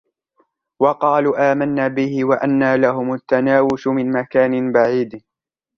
وَقَالُوا آمَنَّا بِهِ وَأَنَّى لَهُمُ التَّنَاوُشُ مِنْ مَكَانٍ بَعِيدٍ